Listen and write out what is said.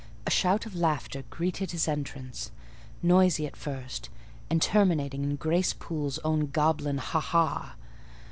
A shout of laughter greeted his entrance; noisy at first, and terminating in Grace Poole's own goblin ha! ha!